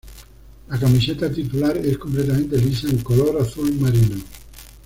La camiseta titular es completamente lisa, en color azul marino.